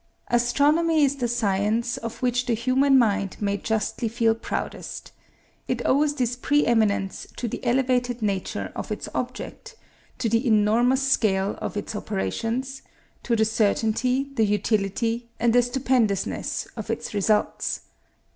Astronomy is the science of which the human mind may justly feel proudest. It owes this pre eminence to the elevated nature of its object; to the enormous scale of its operations; to the certainty, the utility, and the stupendousness of its results.